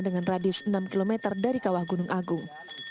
dengan radius enam km dari kawah gunung agung